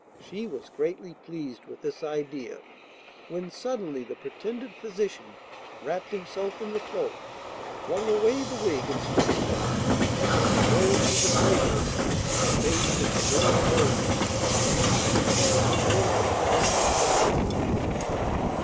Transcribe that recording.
She was greatly pleased with this idea, when suddenly the pretended physician wrapped himself in the cloak, flung away the wig and spectacles, and showed to the traitress the face of the Little Soldier. She stood before him dumb with fright.